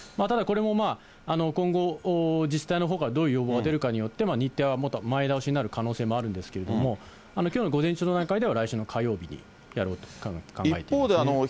ただこれも今後、自治体のほうがどういう要望が出るかによって、日程は前倒しになる可能性もあるんですけど、きょうの午前中の段階では来週の火曜日にやろうと考えてますね。